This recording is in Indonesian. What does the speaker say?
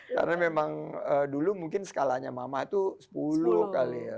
karena memang dulu mungkin skalanya mama itu sepuluh kali ya